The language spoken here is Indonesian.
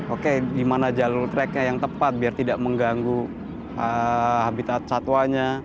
oke dimana jalur treknya yang tepat biar tidak mengganggu habitat satwanya